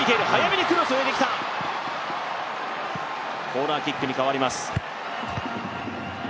コーナーキックにかわります。